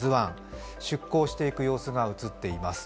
出航していく様子が映っています。